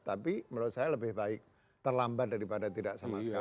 tapi menurut saya lebih baik terlambat daripada tidak sama sekali